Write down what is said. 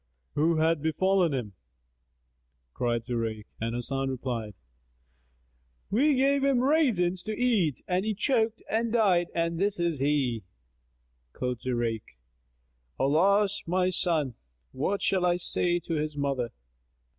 "What hath befallen him?" cried Zurayk, and Hasan replied, "We gave him raisins to eat, and he choked and died and this is he." Quoth Zurayk "Alas, my son! What shall I say to his mother?"